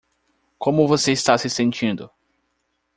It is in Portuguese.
Como você está se sentindo?